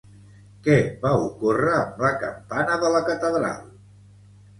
Què va ocórrer amb la campana de la catedral?